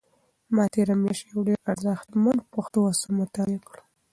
ما تېره میاشت یو ډېر ارزښتمن پښتو اثر مطالعه کړ.